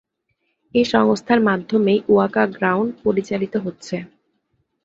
এ সংস্থার মাধ্যমেই ওয়াকা গ্রাউন্ড পরিচালিত হচ্ছে।